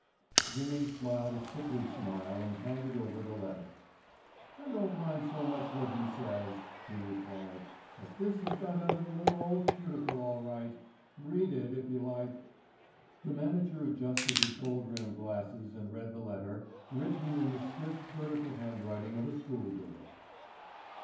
Jimmy smiled a sickly smile and handed over the letter. "I don't mind so much what he says," he replied, "but this has got under the little old cuticle all right. Read it if you like." The manager adjusted his gold rimmed glasses and read the letter, written in the stiff, vertical handwriting of a school girl.